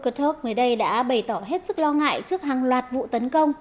ngoài đây đã bày tỏ hết sức lo ngại trước hàng loạt vụ tấn công